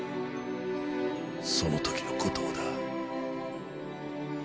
その時の事をだ。